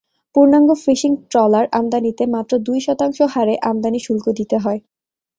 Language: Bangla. পূর্ণাঙ্গ ফিশিং ট্রলার আমদানিতে মাত্র দুই শতাংশ হারে আমদানি শুল্ক দিতে হয়।